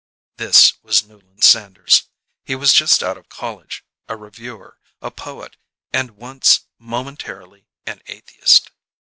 This was Newland Sanders. He was just out of college, a reviewer, a poet, and once, momentarily, an atheist.